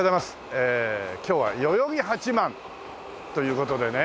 ええ今日は代々木八幡という事でね。